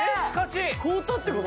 ・凍ったってこと？